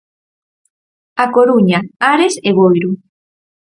A Coruña, Ares e Boiro.